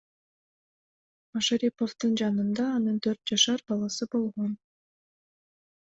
Машариповдун жанында анын төрт жашар баласы болгон.